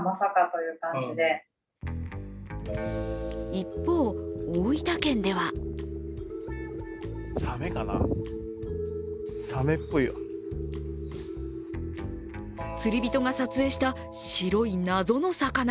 一方、大分県では釣り人が撮影した白い謎の魚。